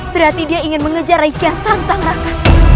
berarti dia ingin mengejar rai kiasantang raka